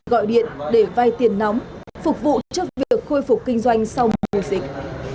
gọi điện để vay tiền nóng phục vụ cho việc khôi phục kinh doanh sau mùa dịch